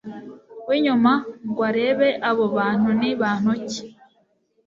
winyuma ngo barebe abo bantu ni bantu ki